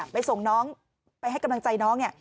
ไปส่งน้องไปให้กำลังใจน้องเนี่ย